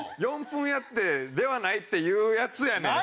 ４分やってではないっていうやつやねん